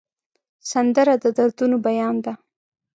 سندره د دردونو بیان ده